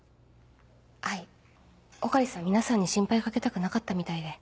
はい穂刈さん皆さんに心配かけたくなかったみたいで。